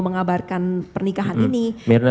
mengabarkan pernikahan ini myrna